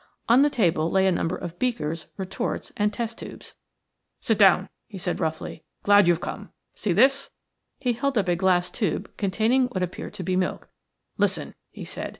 On the table lay a number of beakers, retorts, and test tubes. "Sit down," he said, roughly. "Glad you've come. See this?" He held up a glass tube containing what appeared to be milk. "Listen," he said.